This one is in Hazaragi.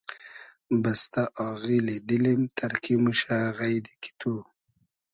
بستۂ آغیلی دیلیم تئرکی موشۂ غݷدی کی تو